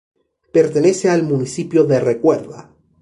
Pertenece al municipio de Recuerda.